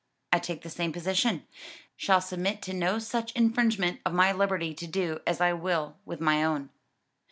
"I take the same position; shall submit to no such infringement of my liberty to do as I will with my own."